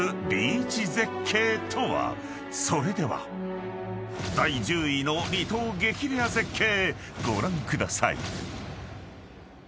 ［それでは第１０位の離島激レア絶景ご覧ください］